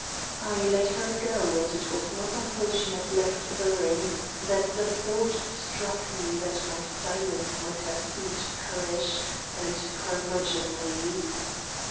I let her go, and it was not until she had left the room that the thought struck me that my silence might have seemed currish and curmudgeonly.